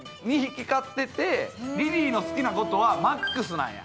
リリーの好きなことはマックスなんや。